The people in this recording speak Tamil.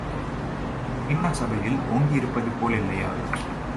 ஐ.நா சபையில் ஓங்கியிருப்பதுபோல் இல்லையா?